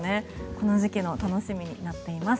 この時期の楽しみになっています。